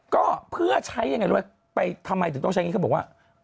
ก็เพื่อใช้ยังไงรู้ไหมไปทำไมถึงต้องใช้อย่างนี้เขาบอกว่า